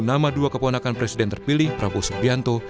nama dua keponakan presiden terpilih prabowo subianto